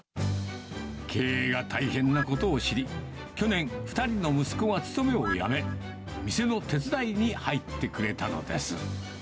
経営が大変なことを知り、去年、２人の息子が勤めを辞め、店の手伝いに入ってくれたのです。